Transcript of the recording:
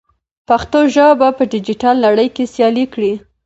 پښتو ژبه په ډیجیټل نړۍ کې سیاله کړئ.